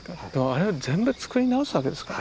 あれ全部作り直すわけですか？